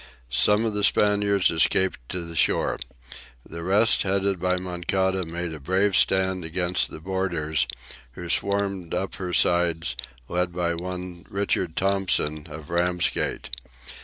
Some of the Spaniards escaped to the shore. The rest, headed by Moncada, made a brave stand against the boarders, who swarmed up her sides, led by one Richard Tomson, of Ramsgate.